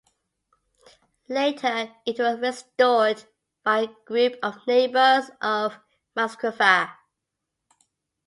Later it was restored by a group of neighbours of Masquefa.